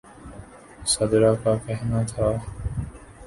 سدرا کا کہنا تھا